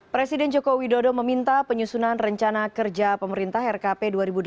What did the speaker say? presiden joko widodo meminta penyusunan rencana kerja pemerintah rkp dua ribu delapan belas